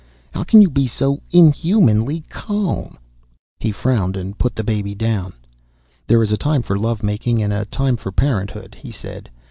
_ How can you be so inhumanly calm?" He frowned, put the baby down. "There is a time for love making and a time for parenthood," he said.